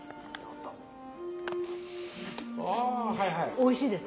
おいしいです。